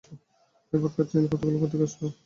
এই ভোটকা চেইন করাতগুলি কোত্থেকে আসলো?